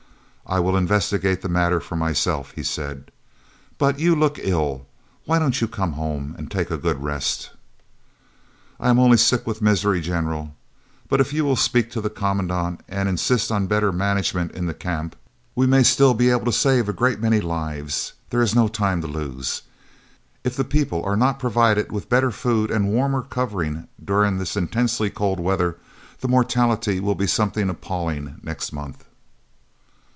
"I will investigate the matter for myself," he said. "But you look ill why don't you come home and take a good rest?" "I am only sick with misery, General; but if you will speak to the Commandant and insist on better management in the Camp, we may still be able to save a great many lives. There is no time to lose. If the people are not provided with better food and warmer covering during this intensely cold weather, the mortality will be something appalling next month."